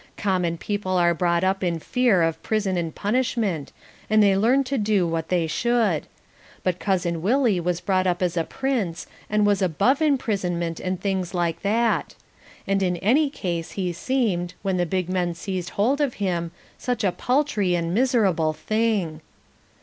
Common people are brought up in fear of prison and punishment and they learn to do what they should. But Cousin Willie was brought up as a prince and was above imprisonment and things like that. And in any case he seemed, when the big men seized hold of him, such a paltry and miserable thing.